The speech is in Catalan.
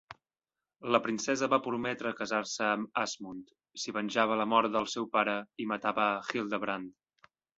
La princesa va prometre casar-se amb Asmund, si venjava la mort del seu pare i matava a Hildebrand.